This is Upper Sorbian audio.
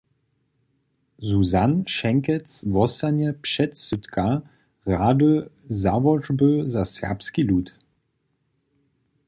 Susann Šenkec wostanje předsydka rady Załožby za serbski lud.